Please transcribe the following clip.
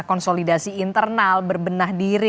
konsolidasi internal berbenah diri